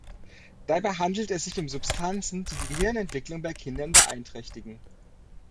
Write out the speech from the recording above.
Dabei handelt es sich um Substanzen, die die Gehirnentwicklung bei Kindern beeinträchtigen.